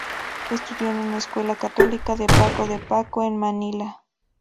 Estudió en una Escuela Católica de "Paco de Paco" en Manila.